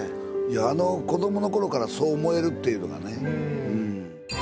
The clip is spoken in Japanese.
子どもの頃からそう思えるっていうのがね。